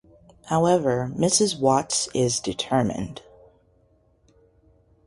However, Mrs. Watts is determined.